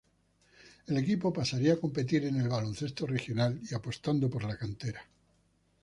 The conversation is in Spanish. El equipo pasaría a competir en el baloncesto regional y apostando por la cantera.